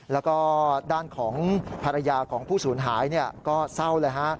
แล้วก็ด้านของภรรยาของผู้สูญหายก็เศร้าเลยฮะ